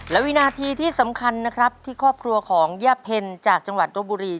และวินาทีที่สำคัญนะครับที่ครอบครัวของย่าเพ็ญจากจังหวัดรบบุรี